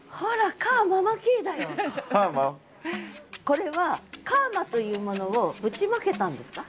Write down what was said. これは「かーま」というものをぶちまけたんですか？